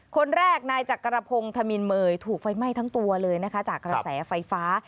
คนแรกนายจักรพงศ์ธมินเมย์ถูกไฟไหม้ทั้งตัวเลยนะคะจากกระแสไฟฟ้า